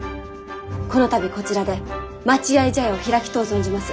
この度こちらで待合茶屋を開きとう存じます。